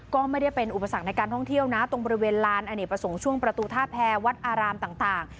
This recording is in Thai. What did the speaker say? ก็ไม่ได้เป็นอุปสรรคในการท่องเที่ยวนะตรงบริเวณลานอเนกประสงค์ช่วงประตูท่าแพรวัดอารามต่าง